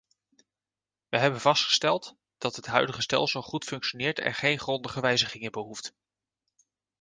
We hebben vastgesteld dat het huidige stelsel goed functioneert en geen grondige wijzigingen behoeft.